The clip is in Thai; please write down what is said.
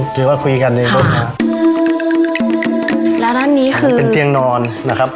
ถือว่าคุยกันในต้นครับแล้วด้านนี้คือเป็นเตียงนอนนะครับ